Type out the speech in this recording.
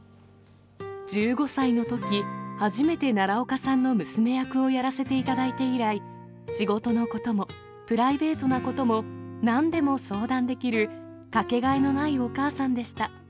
１５歳のとき、初めて奈良岡さんの娘役をやらせていただいて以来、仕事のことも、プライベートなことも、なんでも相談できる、掛けがえのないお母さんでした。